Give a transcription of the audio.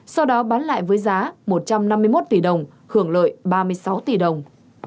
sau đó bán lại với giá một trăm năm mươi một tỷ đồng hưởng lợi ba mươi sáu tỷ đồng